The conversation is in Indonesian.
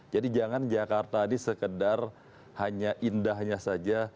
jadi jangan jakarta ini sekedar hanya indahnya saja